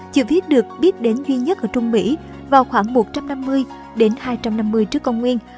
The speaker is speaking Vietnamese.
chữ viết được biết đến duy nhất ở trung mỹ vào khoảng một trăm năm mươi đến hai trăm năm mươi trước công nguyên